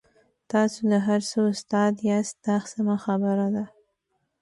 تاسو د هر څه استاد یاست دا سمه خبره ده.